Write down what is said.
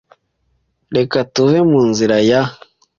Reka tuve mu nzira ya .